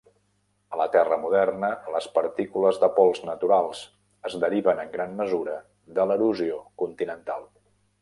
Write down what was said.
A la terra moderna, les partícules de pols naturals es deriven en gran mesura de l'erosió continental.